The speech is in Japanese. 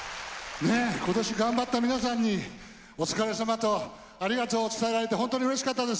今年頑張った皆さんにお疲れさまとありがとうを伝えられて本当にうれしかったです。